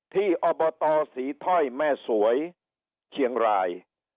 ที่อบตสีถ้อยแม่สวยเชียงราย๑๙๔